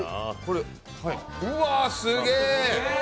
うわあ、すげえ。